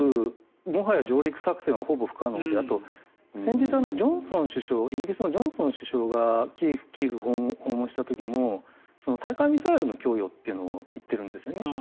もはや上陸作戦はほぼ不可能であと、先日イギリスのジョンソン首相がキーウ訪問した時も対艦ミサイルの供与を言っているんですよね。